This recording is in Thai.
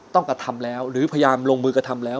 กระทำแล้วหรือพยายามลงมือกระทำแล้ว